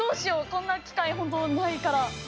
こんな機会ほんとないから。